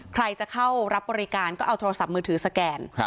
ใครจะเข้ารับบริการก็เอาโทรศัพท์มือถือสแกน